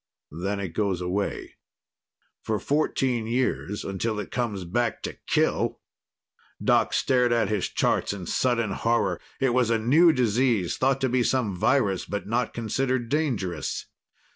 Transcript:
Then it goes away for fourteen years, until it comes back to kill! Doc stared at his charts in sudden horror. It was a new disease thought to be some virus, but not considered dangerous.